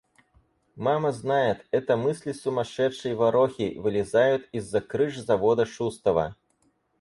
Мама знает — это мысли сумасшедшей ворохи вылезают из-за крыш завода Шустова.